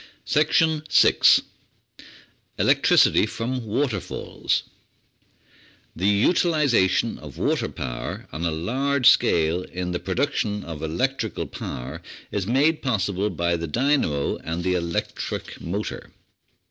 6 Electricity from Waterfalls The utilisation of water power on a large scale in the pro duction of electrical power is made possible by the dynamo and electric motor.